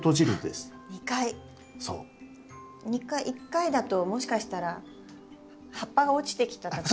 １回だともしかしたら葉っぱが落ちてきたとか。